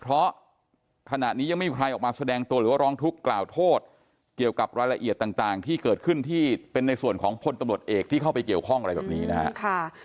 เพราะขณะนี้ยังไม่มีใครออกมาแสดงตัวหรือว่าร้องทุกข์กล่าวโทษเกี่ยวกับรายละเอียดต่างที่เกิดขึ้นที่เป็นในส่วนของพลตำรวจเอกที่เข้าไปเกี่ยวข้องอะไรแบบนี้นะครับ